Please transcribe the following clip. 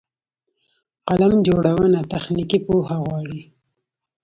فلم جوړونه تخنیکي پوهه غواړي.